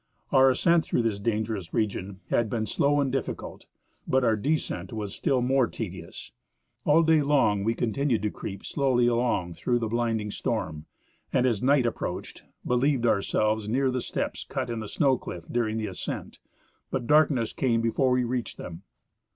Our ascent through this dangerous region had been slow and difficult, but our descent was still more tedious. All day long we continued to creep slowly along through the blinding storm, and as night a]3i3roached believed ourselves near the steps cut in a snow cliff during the ascent, but darkness came before we reached them.